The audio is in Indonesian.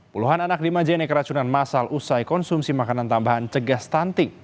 puluhan anak di majene keracunan masal usai konsumsi makanan tambahan cegah stunting